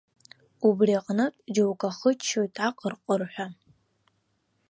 Убри аҟнытә, џьоук ахыччоит аҟырҟырҳәа.